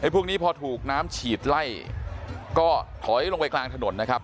พวกนี้พอถูกน้ำฉีดไล่ก็ถอยลงไปกลางถนนนะครับ